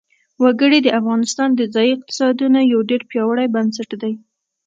وګړي د افغانستان د ځایي اقتصادونو یو ډېر پیاوړی بنسټ دی.